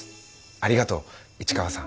ありがとう市川さん。